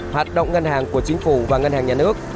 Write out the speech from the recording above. hoạt động ngân hàng của chính phủ và ngân hàng nhà nước